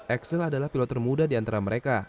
axel adalah pilot termuda di antara mereka